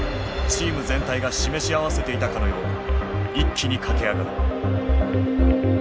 チーム全体が示し合わせていたかのように一気に駆け上がる。